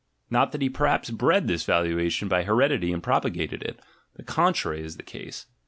Not that he perhaps bred this valuation by heredity and propagated it — the contrary is the case.